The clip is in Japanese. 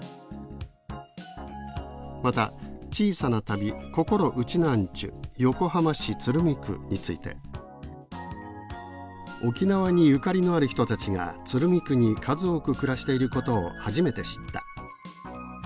また小さな旅「こころ“ウチナーンチュ”横浜市鶴見区」について「沖縄にゆかりのある人たちが鶴見区に数多く暮らしていることを初めて知った。